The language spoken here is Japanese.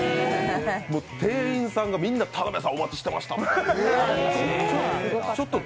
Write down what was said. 店員さんがみんな「田辺さん、お待ちしてました」と。